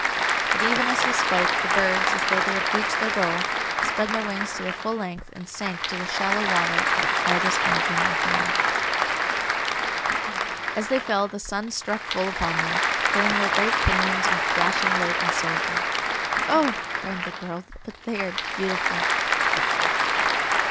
But even as he spoke, the birds, as though they had reached their goal, spread their wings to the full length and sank to the shallow water at the farthest margin of the lake. As they fell the sun struck full upon them, turning their great pinions into flashing white and silver. "Oh!" cried the girl, "but they are beautiful!"